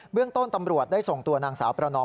เรื่องต้นตำรวจได้ส่งตัวนางสาวประนอม